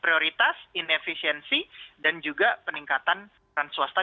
prioritas inefisiensi dan juga peningkatan peran swasta